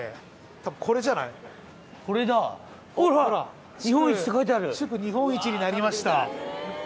多分これだほら「祝日本一になりました」